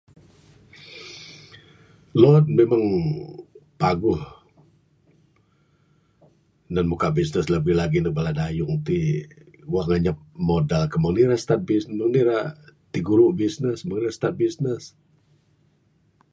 Loan memang paguh tinan muka bisnes labih lagi neg bala dayung ti wang anyap modal ko meng anih ira start bisnes...meng anh ira tiguru bisnes...meng anih ira start bisnes.